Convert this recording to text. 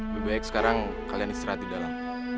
lebih baik sekarang kalian istirahat di dalam